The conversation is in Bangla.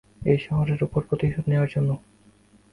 এই শহরের উপর প্রতিশোধ নেয়ার জন্য।